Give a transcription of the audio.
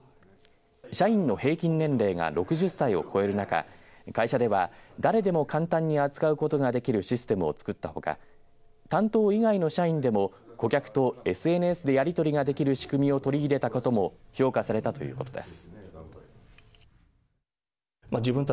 社員の平均年齢が６０歳を超える中、会社では誰でも簡単に扱うことができるシステムを作ったほか担当以外の社員でも顧客とＳＮＳでやりとりができる仕組みを取り入れたことも評価されたということです。